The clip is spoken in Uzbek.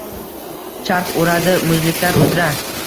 Charx uradi muzliklar uzra